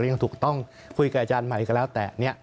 และยังถูกต้องคุยกับอาจารย์หมายก็แล้วแต่